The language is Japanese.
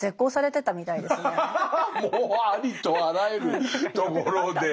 もうありとあらゆるところで。